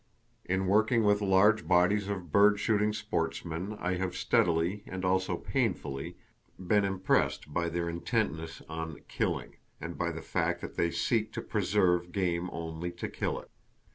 In working with large bodies of bird shooting sportsmen I have steadily—and also painfully—been impressed by their intentness on. killing, and by the fact that they seek to preserve game only to kill it!